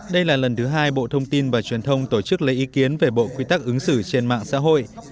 đây là lần thứ hai bộ thông tin và truyền thông tổ chức lấy ý kiến về bộ quy tắc ứng xử trên mạng xã hội